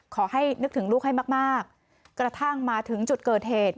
ขอให้นึกถึงลูกให้มากมากกระทั่งมาถึงจุดเกิดเหตุ